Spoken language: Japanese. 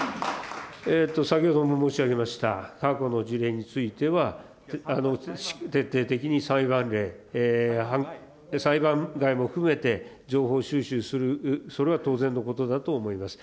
先ほども申し上げました過去の事例については、徹底的に裁判例、裁判外も含めて、情報収集する、それは当然のことだと思います。